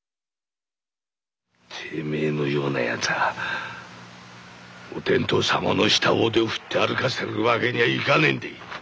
てめえのようなやつはお天道様の下大手を振って歩かせるわけにはいかねえんでぃ。